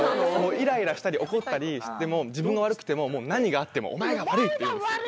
イライラしたり怒ったりしても自分が悪くてももう何があっても「お前が悪い！」って言うんです